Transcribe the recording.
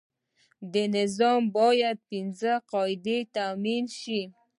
دا نظام باید پنځه قاعدې تامین کړي.